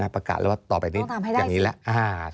ประกาศแล้วว่าต่อไปนี้ต้องทำให้ได้สิ